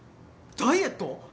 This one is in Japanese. ダイエット！？